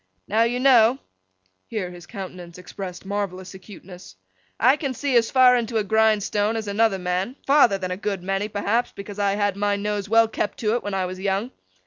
Now you know;' here his countenance expressed marvellous acuteness; 'I can see as far into a grindstone as another man; farther than a good many, perhaps, because I had my nose well kept to it when I was young.